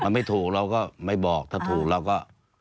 มันไม่ถูกเราก็ไม่บอกถ้าถูกเราก็